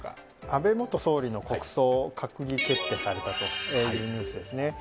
安倍元総理の国葬、閣議決定されたというニュースですね。